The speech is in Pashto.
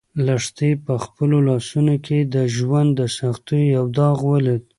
لښتې په خپلو لاسو کې د ژوند د سختیو یو داغ ولید.